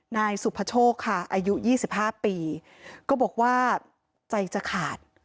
นายสุภโชคค่ะอายุ๒๕ปีก็บอกว่าใจจะขาด